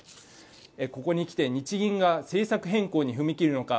ここに来て日銀が政策変更に踏み切るのか